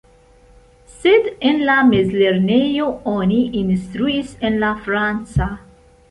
Sed en la mezlernejo oni instruis en la franca.